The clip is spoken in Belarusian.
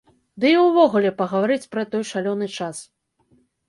Ды і ўвогуле, пагаварыць пра той шалёны час.